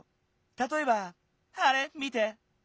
たとえばあれ見て。